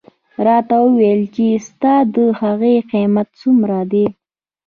راته ووایه چې ستا د هغې قیمت څومره دی.